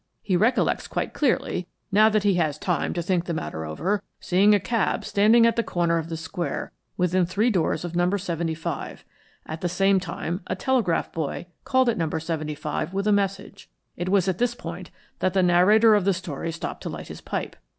He recollects quite clearly, now that he has time to think the matter over, seeing a cab standing at the corner of the Square within three doors of No. 75. At the same time, a telegraph boy called at No. 75 with a message. It was at this point that the narrator of the story stopped to light his pipe.